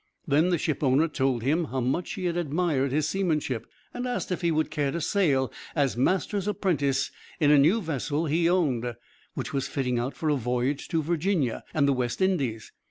Then the ship owner told him how much he had admired his seamanship, and asked if he would care to sail as master's apprentice in a new vessel he owned, which was fitting out for a voyage to Virginia and the West Indies.